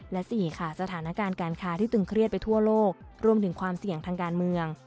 และ๔ค่ะสถานการณ์การค้าที่ตึงเครียดไปทั่วโลกรวมถึงความเสี่ยงทางการเมือง